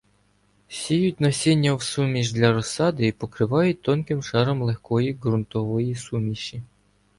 Сіють насіння в суміш для розсади і покривають тонким шаром легкої ґрунтової суміші.